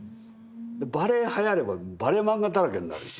バレエはやればバレエ漫画だらけになるし。